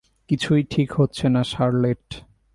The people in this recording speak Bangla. কিছুই ঠিক হচ্ছে না শার্লেট।